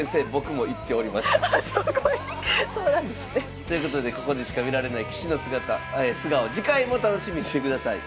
そうなんですね。ということでここでしか見られない棋士の素顔次回も楽しみにしてください。